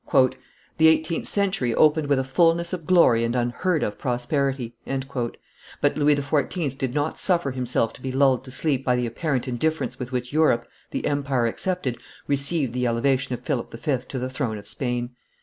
"The eighteenth century opened with a fulness of glory and unheard of prosperity; "but Louis XIV. did not suffer himself to be lulled to sleep by the apparent indifference with which Europe, the empire excepted, received the elevation of Philip V. to the throne of Spain.